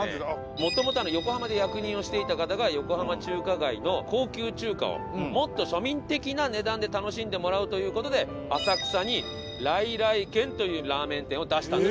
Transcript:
元々横浜で役人をしていた方が横浜中華街の高級中華をもっと庶民的な値段で楽しんでもらおうという事で浅草に來々軒というラーメン店を出したんです。